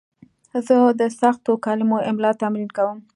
زه د سختو کلمو املا تمرین کوم.